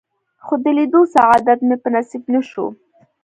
خو د لیدو سعادت مې په نصیب نه شو.